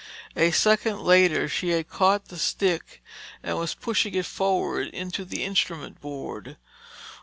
A second later she had caught the stick and was pushing it forward into the instrument board.